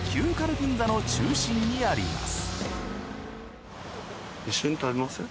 銀座の中心にあります。